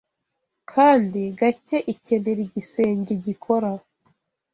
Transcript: Kandi gake ikenera igisenge gikora